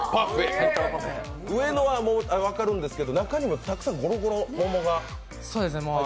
上のは分かるんですけど、中にもたくさんゴロゴロ桃が入ってますね？